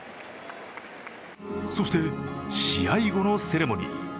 そして試合後のセレモニー。